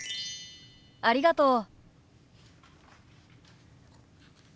ありがとう。